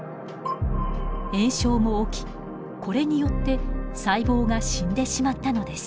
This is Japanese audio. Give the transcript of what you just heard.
炎症も起きこれによって細胞が死んでしまったのです。